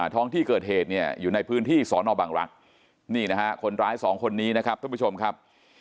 ท้องที่เกิดเหตุเนี่ยอยู่ในพื้นที่สอนอบังรักษ์นี่นะฮะคนร้ายสองคนนี้นะครับท่านผู้ชมครับ